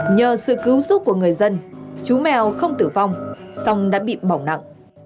nhờ sự cứu giúp của người dân chú mèo không tử vong song đã bị bỏng nặng